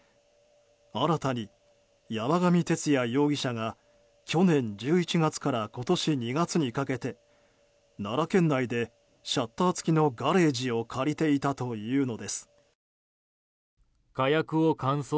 新たに山上徹也容疑者が去年１１月から今年２月にかけて奈良県内でシャッター付きのガレージを借りていたというのです。